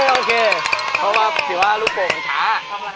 โอเคเขามาสิว่าลูกบ่งช้า